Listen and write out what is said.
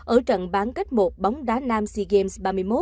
ở trận bán kết một bóng đá nam sea games ba mươi một